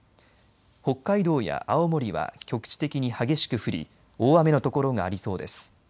北海道や青森は局地的に激しく降り大雨のところがありそうです。